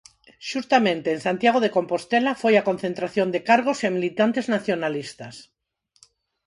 Xustamente en Santiago de Compostela foi a concentración de cargos e militantes nacionalistas.